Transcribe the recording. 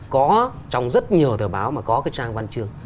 có trong rất nhiều tờ báo mà có cái trang văn chương